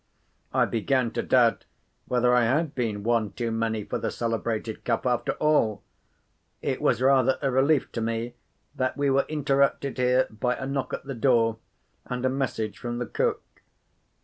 I began to doubt whether I had been one too many for the celebrated Cuff, after all! It was rather a relief to me that we were interrupted here by a knock at the door, and a message from the cook.